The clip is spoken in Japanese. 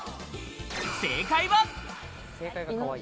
正解は。